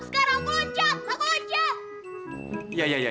sekarang aku loncat aku loncat